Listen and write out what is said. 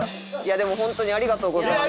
でも本当にありがとうございました。